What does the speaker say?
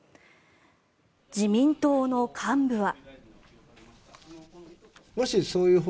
自民党の幹部は。